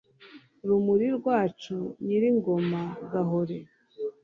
rumuri rwacu, nyir'ingoma, gahore